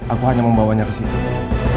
aku hanya membawanya ke situ